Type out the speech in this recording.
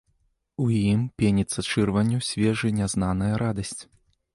У ім пеніцца чырванню свежай нязнаная радасць.